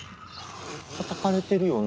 たたかれてるよね？